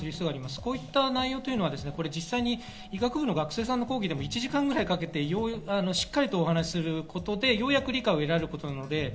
こういった内容は実際に医学部の学生さんの講義でも１時間ぐらいかけてしっかりとお話することで、ようやく理解を得られること。